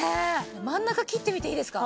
真ん中切ってみていいですか？